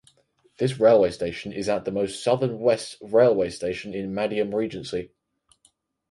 This railway station is at the most southwestern railway station in Madiun Regency.